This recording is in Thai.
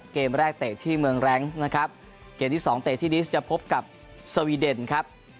เกมแรกเตะที่เมืองแรงนะครับเกมที่สองเตะที่ดิสจะพบกับสวีเดนครับ